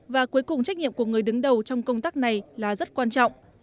và cuối cùng trách nhiệm của người đứng đầu trong công tác này là rất quan trọng